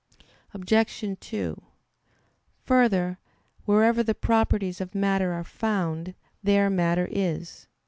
Obj. 2: Further, wherever the properties of matter are found, there matter is.